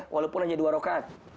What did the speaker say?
walaupun hanya dua rokaat